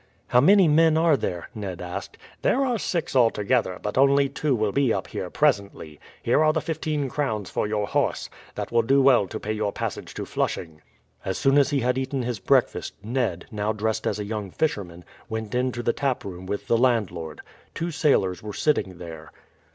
"How many men are there?" Ned asked. "There are six altogether, but only two will be up here presently. Here are the fifteen crowns for your horse. That will do well to pay your passage to Flushing." As soon as he had eaten his breakfast, Ned, now dressed as a young fisherman, went into the taproom with the landlord. Two sailors were sitting there.